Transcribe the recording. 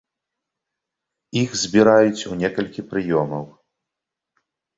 Іх збіраюць у некалькі прыёмаў.